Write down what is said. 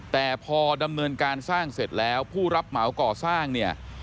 แต่พอดำเนินการสร้างเสร็จแล้วผู้รับเหมาก่อสร้างเนี่ย